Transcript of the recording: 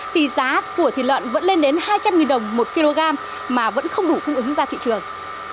thì giá của thịt lợn vẫn lên đến hai trăm linh đồng một kg mà vẫn không đủ cung ứng ra thị trường